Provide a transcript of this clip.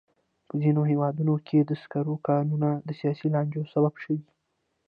په ځینو هېوادونو کې د سکرو کانونه د سیاسي لانجو سبب شوي.